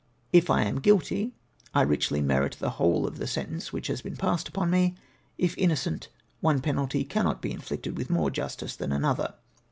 If I mil guilty, I Ticldy riierit the whole of the sentence which has been ijassed upon me. If inno cent, one 'penalty cannot he inflicted ■with more justice than another.